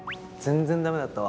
全然ダメだった？